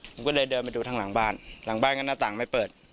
ผมก็เลยเดินไปดูทางหลังบ้านหลังบ้านก็หน้าต่างไม่เปิด